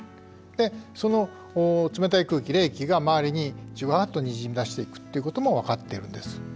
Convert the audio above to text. でその冷たい空気冷気が周りにじわっとにじみ出していくっていうことも分かってるんです。